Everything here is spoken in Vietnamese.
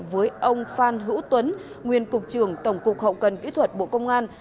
với ông phan hữu tuấn nguyên cục trưởng tổng cục hậu cần kỹ thuật bộ công an